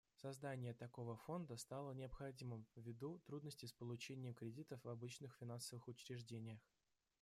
Создание такого фонда стало необходимым ввиду трудностей с получением кредитов в обычных финансовых учреждениях.